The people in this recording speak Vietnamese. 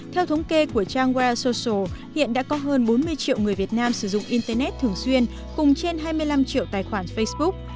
theo thống kê của trang wear social hiện đã có hơn bốn mươi triệu người việt nam sử dụng internet thường xuyên cùng trên hai mươi năm triệu tài khoản facebook